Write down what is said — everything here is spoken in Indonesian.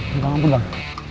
gak mampu bang